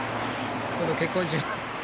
今度結婚します。